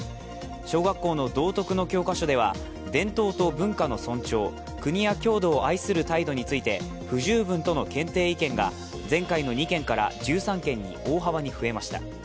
小学校の道徳の教科書では伝統と文化の尊重、国や郷土を愛する態度について不十分との検定意見が前回の２件から１３件に大幅に増えました。